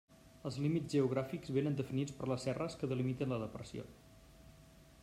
Els límits geogràfics vénen definits per les serres que delimiten la depressió.